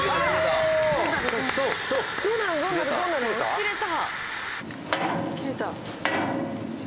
切れた。